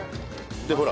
でほら。